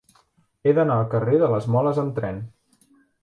He d'anar al carrer de les Moles amb tren.